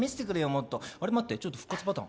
もっとあれ待って復活パターン？